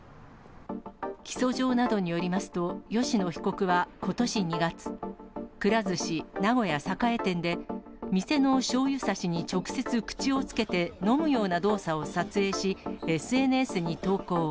起訴状などによりますと、吉野被告はことし２月、くら寿司名古屋栄店で、店のしょうゆさしに直接口をつけて、飲むような動作を撮影し、ＳＮＳに投稿。